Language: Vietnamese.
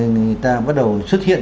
người ta bắt đầu xuất hiện